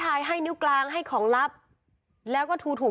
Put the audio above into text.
คือตอนที่แม่ไปโรงพักที่นั่งอยู่ที่สพ